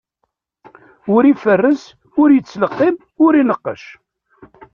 Ur iferres, ur yettleqqim, ur ineqqec.